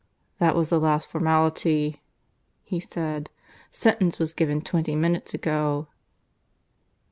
"That was the last formality," he said. "Sentence was given twenty minutes ago."